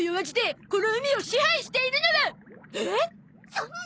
そんな！